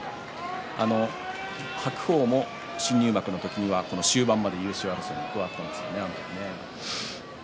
白鵬も新入幕の時には終盤まで優勝争いに加わりましたね。